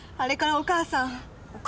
お母さん！？